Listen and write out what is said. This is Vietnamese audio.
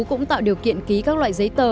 cũng tạo điều kiện ký các loại giấy tờ